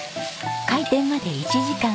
開店まで１時間。